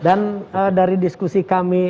dan dari diskusi kami